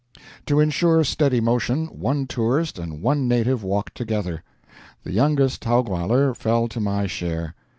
To insure steady motion, one tourist and one native walked together. The youngest Taugwalder fell to my share.